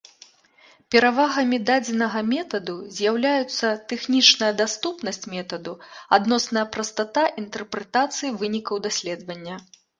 Перавагамі дадзенага метаду з'яўляюцца тэхнічная даступнасць метаду, адносная прастата інтэрпрэтацыі вынікаў даследавання.